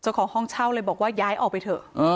ห้องเช่าเลยบอกว่าย้ายออกไปเถอะ